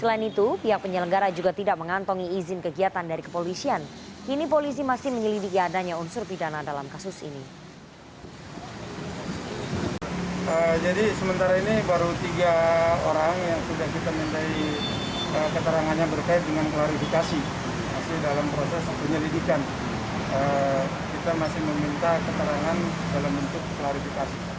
untuk selanjutnya kami melaksanakan pembubaran pada pengunjung restoran ini